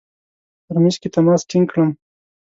په ترمیز کې تماس ټینګ کړم.